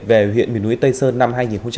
về huyện miền núi tây sơn năm hai nghìn một mươi sáu